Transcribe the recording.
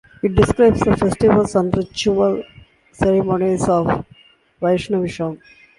It describes the festivals and ritual ceremonies of Vaishnavism.